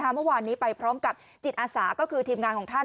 เมื่อวานนี้ไปพร้อมกับจิตอาสาก็คือทีมงานของท่าน